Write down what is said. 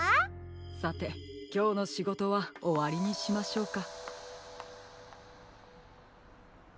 ・さてきょうのしごとはおわりにしましょうか。